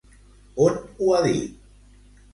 On ho ha dit?